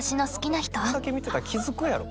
こんだけ見てたら気付くやろ。